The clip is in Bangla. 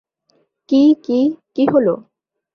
কী, কী, কী হলো?